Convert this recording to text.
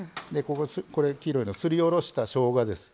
これ黄色いのすりおろしたしょうがです。